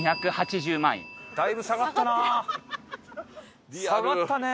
だいぶ下がったな。